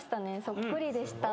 そっくりでした。